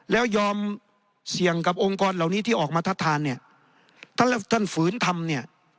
แล้วยอมเสี่ยงกับองค์กรเหล่านี้ที่ออกมาทัดทานเนี่ยถ้าท่านฝืนทำเนี่ย